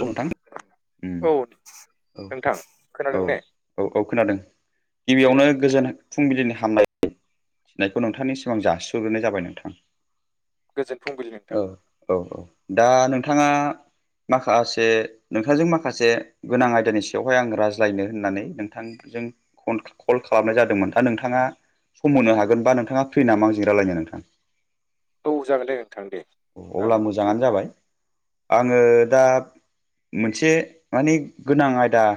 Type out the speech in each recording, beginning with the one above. नोंथां औ औ नोंथां औ खोनादों ने? औ औ खोनादों। दे गिबियावनो नोंथां गोजोन फुंबिलिनि हामलाय नायखौ नोंथांनि सिमां जासिहरग्रोनाय जाबाय नोंथां। गोजोन फुंबिलि औ नोंथां। औ औ दा नोंथाङा माखासे नोंथांजों माखासे गोनां आयदानि सायावहाय आं रायज्लायनो होननानै नोंथांजों कल कल खालामनाय जादोंमोन दा नोंथाङा सम होनो हागोनबा नोंथाङा फ्रि नामां आंजों रायलायनो नोंथां? औ जागोन दे नोंथां दे आं अब्ला फ्रि मोजाङानो दं जाबाय। आङो दा मोनसे माने गोनां आयदा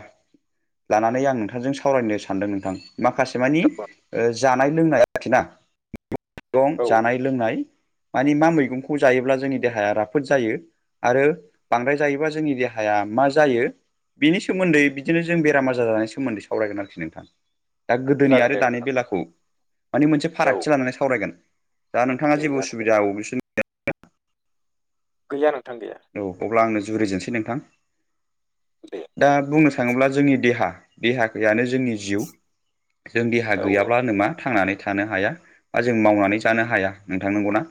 लानानै आं नोंथांजों सावरायनो सानदों नोंथां। माखासे मानि ओ जानाय लोंनाय आरोखिना। मैगं औ जानाय लोंनाय मानि मा मैगंखौ जायोब्ला जोंनि देहाया राफोद जायो आरो बांद्राय जायोबा जोंनि देहाया मा जायो। बिनि सोमोन्दै बिदिनो जों बेराम आजार जानायनि सोमोन्दै सावरायगोन आरोखि नोंथां। दा गोदोनि जागोन आरो दे दानि नोंथां बेलाखौ माने मोनसे औ फारागथि लानानै सावरायगोन। दा नोंथाङा दे जेबो जागोन दे उसुबिदा आव बिसोरनि गैया नोंथां गैया। औ अब्ला आंनो जुरजेननोसै नोंथां। दे दा बुंनो थाङोब्ला जोंनि देहा देहायानो जोंनि जिउ जों देहा औ औ गैयाब्लाानो मा थांनानै थानो हाया बा जों मावनानै जानो हाया नोंथां नंगौना?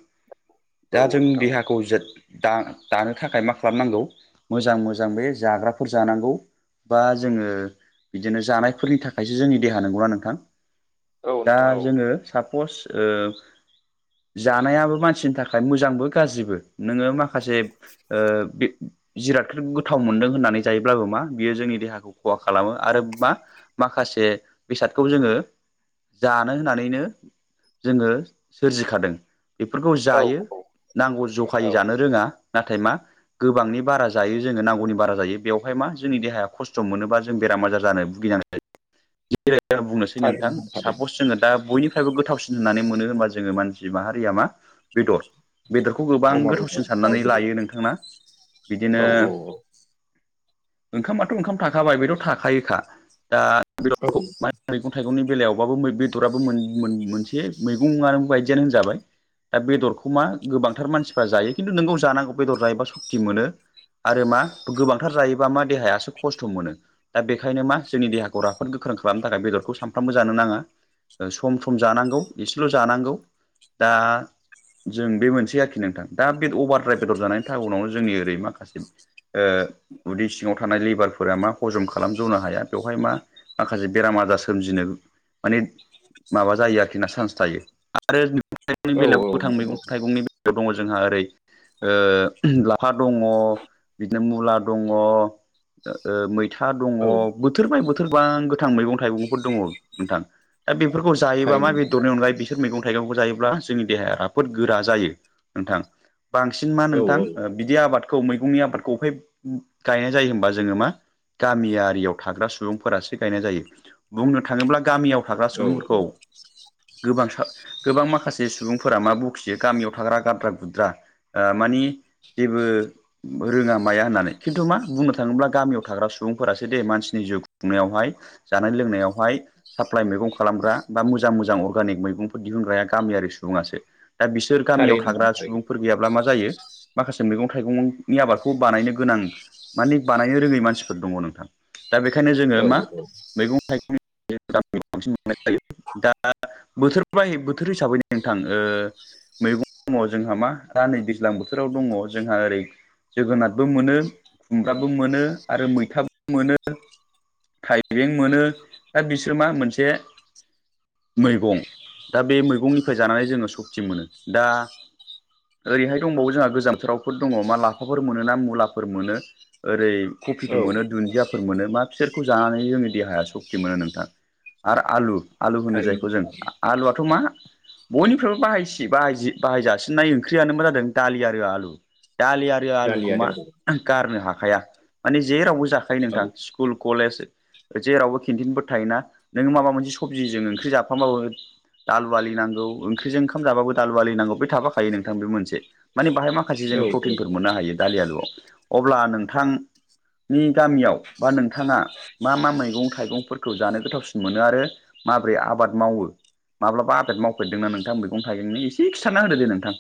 दा औ जों नोंथां औ देहाखौ जो दा दानो थाखाय मा खालामनांगौ मोजां मोजां बे जाग्राफोर जानांगौ। बा जोङो बिदिनो जानायफोरनि थाखायसो जोंनि देहा नंगौना नोंथां? औ दा नोंथां औ जोङो साप'स ओ जानायाबो मानसिनि थाखाय मोजांबो गाज्रिबो नोङो माखासे ओ बे जिरादखौ गोथाव मोनदों होननानै जायोब्लाबो मा बियो जोंनि देहाखौ खहा खालामो आरो मा माखासे बेसादखौ जोङो जानो होननानैनो जोङो सोरजिखादों। बेफोरखौ औ जायो नांगौ जखायै औ औ जानो रोङा। नाथाय मा गोबांनि बारा जायो जोङो नांगौनि बारा जायो बेयाव ओमफाय मा जोंनि देहाया खस्थ' मोनोबा जों बेराम आजार जानो भुगिनांयो। [unintelligible] बुंनोसै थारैनो नोंथां थारैनो सापस जोङो दा बयनिफ्रायबो गोथावसिन होननानै मोनो होनबा जोङो मानसि माहारिया मा बेदर बेदरखौ गोबां अमा बेदर गोथावसिन दाउ साननानै बेदर लायो नोंथां ना बिदिनो औ औ ओंखामाथ' ओंखाम थाखाबाय बेथ' थाखायोखा दा बे औ [unintelligible] मैगं थाइगंनि बेलायावबाबो बेदराबो मोन-मोन-मोनसे मैगंआानो बायदियानो होनजाबाय। दा बेदरखौ मा गोबांथार मानसिफ्रा जायो खिन्थु नोंगौ जानांगौ बेदर जायोबा सक्ति मोनो। आरो मा गोबांथार जायोबा मा देहायासो खस्थ' मोनो। दा बेखायनो मा जोंनि देहाखौ राफोद गोख्रों खालामनो थाखाय बेदरखौ सानफ्रोमबो जानो नाङा। सम सम जानांगौ एसेल' जानांगौ दा जों बे मोनसेै आरोखि नोंथां दा बे अभार द्राइभ बेदर जानायनि थ उनावनो जोंनि ओरै माखासे ओ उदै सिङाव थानाय लेबारफोरा मा हजम खालामज'नो हाया बेवहाय मा माखासे बेराम आजार सोमजिनो माने माबा जायो आरोखि ना चान्स थायो आरो मैगं थाइगंनि औ बेलायाव गोथां नोंथां औ मैगं थाइगंनि दङ जोंहा ओरै ओ लाफा दङ बिदिनो मुला दं मैथा दं। औ बोथोर बाय बोथोर बां गोथां मैगं थाइगंफोर दङ नोंथां। दा बेफोरखौ जायोबा थारैनो मा बेदरनि अनलाय बे सोर मैगं थाइगंखौ जायोब्ला जोंनि देहाया राफोद गोरा जायो नोंथां। बांसिन मा औ नोंथां औ बिदि आबादखौ मैगंनि आबादखौ बै गायनाय जायो होनबा जोङो मा गामियारियाव थाग्रा सुबुंफोरासो गायनाय जायो। बुंनो थाङोब्ला गामियाव थाग्रा सुबुंफोरखौ औ गोबांसा गोबां माखासे सुबुंफोरा मा बखियो गामियाव थाग्रा गाद्रा गुद्रा ओ मानि जेबो रोङा माया होननानै खिन्थु मा बुंनो थाङोब्ला गामियाव थाग्रा सुबुंफोरासो दे मानसिनि जिउ खुंनायावहाय जानाय लोंनायावहाय साप्लााय मैगं खालामग्रा बा मोजां मोजां अर्गेानिक मैगंफोर दिहुनग्राया गामियारि सुबुासो दा बिसो सोर गामियाव थारैनो थाग्रा नोंथां थारैनो सुबुंफोर गैयाब्ला मा जायो। माखासे मैगं थाइगंनि आबादखौ बानायनो गोनां माने बानायनो रोंङै मानसिफोर दंङ नोंथां दा बेखायनो जोंङो औ मा औ मैगं थाइगं बांसिन मोननाय जायो दा। बोथोर हिसाबै नोंथां मैगं दंङ जोंहा मा दा नै दैज्लां बोथोराव दंङ जोंहा ओरै जोगोनार बो मोनो खुमब्राबो मोनो आरो मैथाबो मोनो थाइबें मोनो दा बिसोर मा मोनसे मैगं दा बे मैगंनिफ्राय जानानै जोंङो सक्ति मोनो दा ओरैहाय दंबावो जोंहा गोजामथावफोर दंङ मा? लाफाफोर मोनो ना मुलाफोर मोनो। ओरै कफिखौ औ मोनो दुन्दियाफोर फोर मोनो मा बिसोरखौ जानानै जोंनि देहाया सक्तटि मोनो नोंथां आरो आलु आलु होनो थारैनो जायखौ जों आलुआथ' मा बयनिफ्रायबो बाहाय बाहायजसिननाय ओंख्रियानो मा जादों दालि आरो आलु दालि आरो आरो आलुखौ मा गारनो हाखाया माने जेरावबो जाखायो औ नोंथां स्कुल कलेज जेरावबो केन्थिनफोर थायोना नोंङो माबा मोनसे सबजिजों ओंख्रि जाफामबाबो दालि, आलु नांगौ ओंख्रिजों ओंखामाबो दालि आलु नांगौ बे थाफाखायो नोंथां बे मोनसे। माने बाहाय माखासे औ जोंङो औ प्रटिनफोर मोननो हायो दालि आलुआव अब्ला नोंथां। नि गामियाव बा नोंथांङा मा मा मैगं थाइगंफोरखौ जानो गोथावसिन मोनो आरो माबोरै आबाद मावो माब्लाबा आबाद मावफेरदोंना नोंथां मैगं थाइगंनि एसे खिथाना होदो दे नोंथां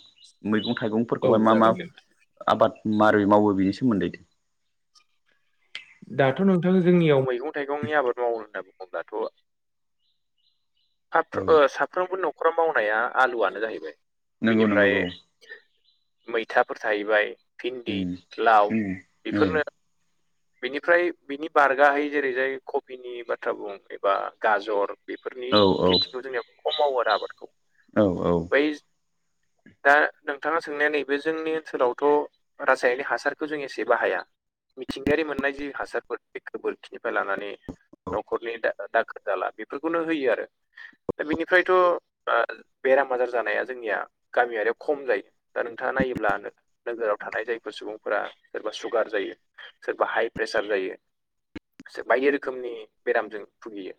मैगं थाइगं? औ फोरखौहाय मा मा जागोन दे आबाद मै मावो बिनि सोमोन्दै दाथ' नोंथां जोंनियाव मैगं थाइगंनि आबाद मावो होनना बुंजालाथ' औ साफ्र साफ्रोमबो न'खराव मावनाया आलुआनो जाहैबाय नंगौ नंगौ बेनिफ्राय औ मैथाफोर थाहैबाय भिन्दि उम लाव बेफोरनो उम बिनिफ्राय बिनि बारगहै जेरै जाय कफिनि बाथ्रा बुं एबा गाजर बेफोरनि औ खेथिखौ जोंनियाव खम मावो आरो आबादखौ औ औ बै दा नोंथांङा सोंनाया नैबे जोंनि ओनसोलावथ' रासायनिक हासारखौ जों एसे बाहाया? मिथिंगायारि मोननाय जि हासारफोर बे गोबोरखनिफ्राय लानानै न'खरनि दाखोर दाला बेफोरखौनो होयो आरो। दा बिनिफ्रायथ' बेराम आजार जानाया जोंनियाथ' गामियारियाव खम जायो। दा नोंथांङा नायोब्लानो नोगोराव थानाय जायफोर सुबुंफोरा सोरबा सुगार जायो। सोरबा हाइ प्रेसार जायो सोर बायदि रोखोमनि बेरामजों भुगियो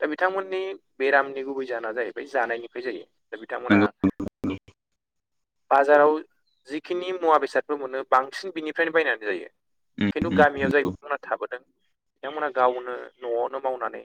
दा बिथांमोननि बेरामनि गुबै जाहोना जाहैबाय जानायनिफ्राय जायो। दा बिथांमोना नंगौ बाजाराव जिखिनि मुवा बेसादफोर मोनो बांसिन बिनिफ्रायनो बायनानै जायो। उम खिन्थु उम गामियाव जाय बिथांमोना थाबोदों? बिथांमोनहा गावनो न'आवनो मावनानै